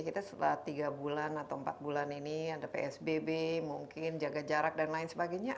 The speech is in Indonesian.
kita setelah tiga bulan atau empat bulan ini ada psbb mungkin jaga jarak dan lain sebagainya